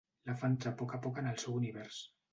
La fa entrar a poc a poc en el seu univers.